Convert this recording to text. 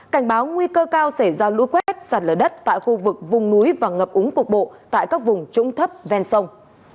cảnh báo nguy cơ cao xảy ra lũ quét sạt lở đất tại khu vực vùng núi và ngập úng cục bộ tại các vùng trũng thấp ven sông